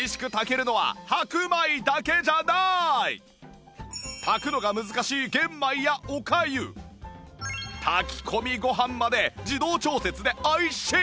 しかも炊くのが難しい玄米やおかゆ炊き込みご飯まで自動調節で美味しい！